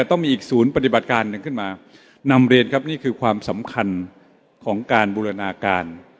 ต้องมีอีกศูนย์ปฏิบัติการหนึ่งขึ้นมานำเรียนครับนี่คือความสำคัญของการบูรณาการ